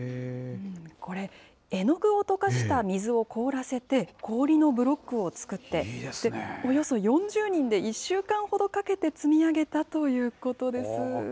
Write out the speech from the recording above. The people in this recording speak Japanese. これ、絵の具を溶かした水を凍らせて、氷のブロックを作って、およそ４０人で１週間ほどかけて積み上げたということです。